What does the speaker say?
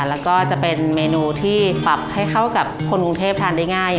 แล้วก็จะเป็นเมนูที่ปรับให้เข้ากับคนกรุงเทพทานได้ง่าย